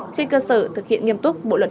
trên cơ sở thực hiện nghiêm túc bộ luật